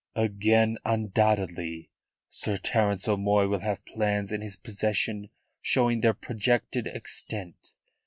"Again undoubtedly. Sir Terence O'Moy will have plans in his possession showing their projected extent.